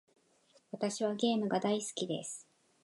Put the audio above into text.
私はゲームが大好きです。